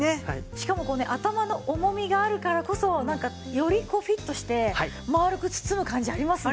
しかもこうね頭の重みがあるからこそなんかよりフィットして丸く包む感じありますね。